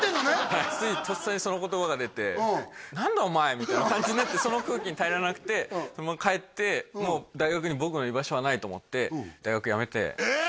はいついとっさにその言葉が出て「何だ？お前」みたいな感じになってその空気に耐えられなくてそのまま帰ってもう大学に僕の居場所はないと思って大学やめてえ！？